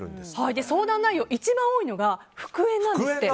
相談内容、一番多いのが復縁なんですって。